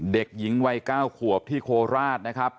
เด็กหญิงวัย๙ขวบที่โคราชนะครับ